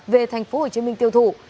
về tp hcm tiêu thụ